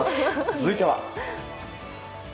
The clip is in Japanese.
続いては。